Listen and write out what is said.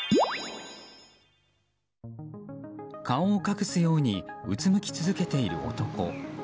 顔を隠すようにうつむき続けている男。